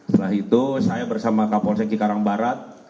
setelah itu saya bersama kapolres kikarang barat